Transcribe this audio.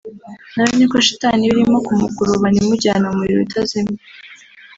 na we niko shitani iba irimo kummukurubana imujyana mu muriro utazima